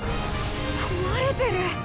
壊れてる！